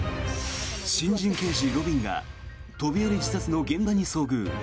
新人刑事、路敏が飛び降り自殺の現場に遭遇。